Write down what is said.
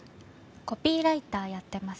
コピーライターやってます。